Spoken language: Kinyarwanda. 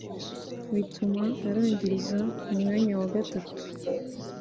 bituma arangiriza ku mwanya wa gatatu